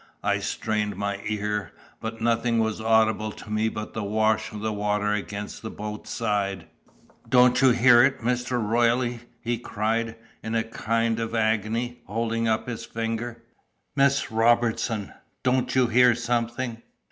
I strained my ear, but nothing was audible to me but the wash of the water against the boat's side. "Don't you hear it, Mr. Royle?" he cried, in a kind of agony, holding up his finger. "Miss Robertson, don't you hear something?"